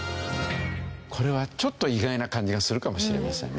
これはちょっと意外な感じがするかもしれませんね。